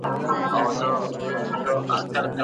څوک د جبري نکاح ضررونه سنجوي؟